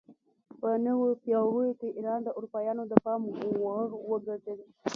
په نویو پیړیو کې ایران د اروپایانو د پام وړ وګرځید.